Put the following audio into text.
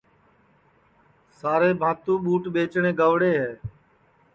سارے بھاتُو ٻوٹ ٻیچٹؔیں گئوڑے ہے